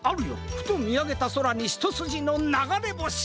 ふとみあげたそらにひとすじのながれぼし！